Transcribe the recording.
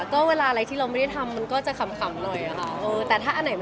แต่พออันนี้มันก็เป็นแนวคำมากกว่า